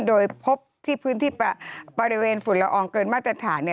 โดยพบที่พื้นที่บริเวณฝุ่นละอองเกินมาตรฐาน